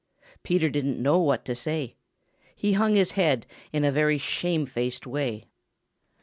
Peter didn't know what to say. He hung his head in a very shame faced way.